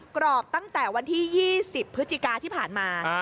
กรอบตั้งแต่วันที่๒๐พฤศจิกาที่ผ่านมา